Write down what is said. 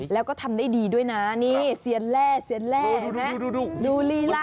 แล้วก็ทำได้ดีด้วยนะนี่เซียนแร่ดูดูดูดูลีรา